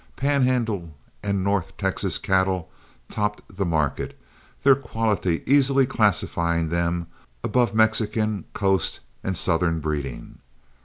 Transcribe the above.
Pan Handle and north Texas cattle topped the market, their quality easily classifying them above Mexican, coast, and southern breeding.